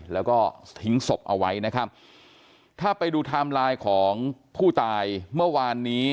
แล้วก็ทิ้งศพเอาไว้นะครับถ้าไปดูไทม์ไลน์ของผู้ตายเมื่อวานนี้